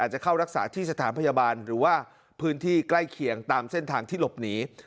จะเข้ารักษาที่สถานพยาบาลหรือว่าพื้นที่ใกล้เคียงตามเส้นทางที่หลบหนี